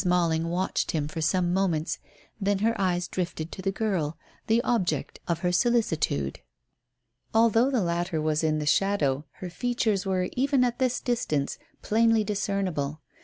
Malling watched him for some moments, then her eyes drifted to the girl, the object of her solicitude. Although the latter was in the shadow her features were, even at this distance, plainly discernible.